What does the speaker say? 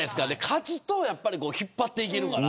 勝つと引っ張っていけるから。